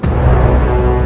tidak ada apa apa